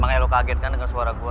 makanya lo kaget kan dengan suara gue